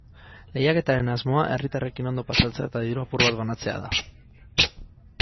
Lehiaketaren asmoa herritarrekin ondo pasatzea eta diru apur bat banatzea da.